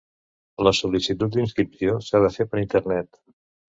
La sol·licitud d'inscripció s'ha de fer per Internet.